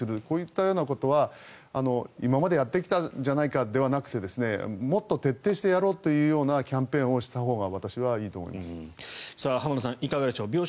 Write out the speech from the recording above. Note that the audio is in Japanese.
こういったようなことは今までやってきたじゃないかじゃなくてもっと徹底してやろうというようなキャンペーンをしたほうが浜田さんいかがでしょう。